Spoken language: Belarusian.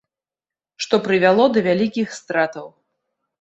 Што прывяло да вялікіх стратаў.